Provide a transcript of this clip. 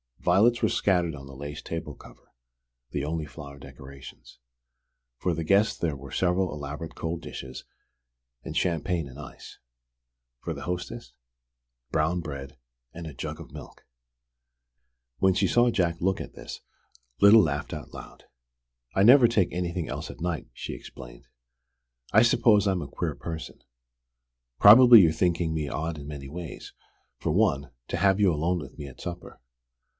Violets were scattered on the lace table cover, the only flower decorations. For the guest there were several elaborate cold dishes and champagne in ice; for the hostess, brown bread and a jug of milk! When she saw Jack look at this, Lyda laughed out aloud. "I never take anything else at night," she explained. "I suppose I'm a queer person. Probably you're thinking me odd in many ways: for one, to have you alone with me at supper.